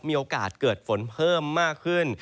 มีโอกาสเกิดฝนเพิ่มมากขึ้น